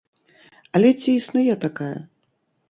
Але ці існуе такая?